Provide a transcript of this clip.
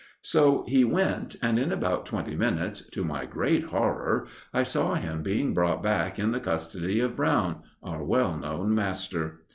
So he went, and in about twenty minutes, to my great horror, I saw him being brought back in the custody of Brown our well known master!